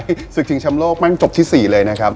ศึกชิงชำโลกแม่งจบที่๔เลยนะครับ